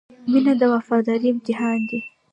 • مینه د وفادارۍ امتحان دی.